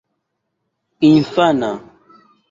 infana